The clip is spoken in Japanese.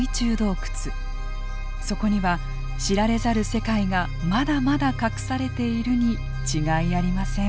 そこには知られざる世界がまだまだ隠されているに違いありません。